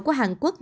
của hàn quốc